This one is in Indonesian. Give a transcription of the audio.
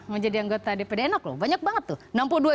mau jadi anggota dapd enak loh banyak banget tuh